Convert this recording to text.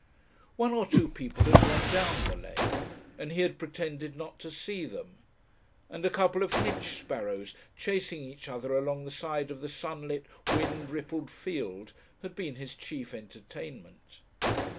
One or two people had gone down the lane, and he had pretended not to see them, and a couple of hedge sparrows chasing each other along the side of the sunlit, wind rippled field had been his chief entertainment.